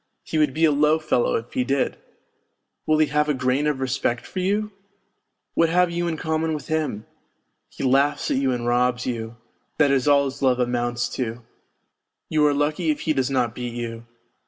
He would be a low fellow if he did ! Will he have a grain of respect for you ? What have you in common with him ? He laughs at you and robs you that is all his love amounts to ! You .are lucky if he does not beat you.